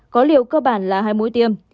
có liều cơ bản là hai mũi tiêm